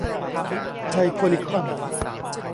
ไทยโพลีคอนส์